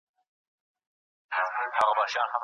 کېدای سي ليکل ستونزي ولري.